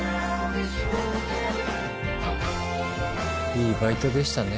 いいバイトでしたね。